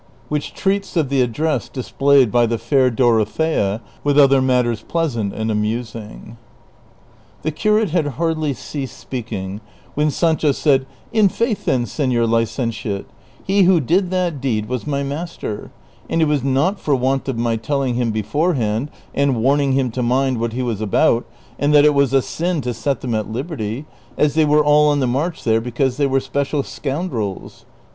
WHICH TREATS OF THE ADDRESS DISPLAYED BY THE FAIR DOROTHEA, WITH OTHER MATTERS PLEASANT AND AMUSING. The curate had hardly ceased speaking, when Sancho said, " In faith, then, sefior licentiate, he who did that deed was my master ; and it was not for want of my telling him beforehand and warning him to mind what he was about, and tliat it was a sin to set them at liberty, as they were all on the march there because they were special scoundrels."